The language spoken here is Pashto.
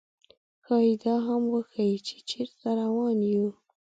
ښايي دا هم وښيي، چې چېرته روان یو.